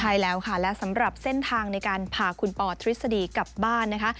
ใช่แล้วค่ะและสำหรับเส้นทางในการพาคุณปอทฤษฎีกลับบ้านนะคะ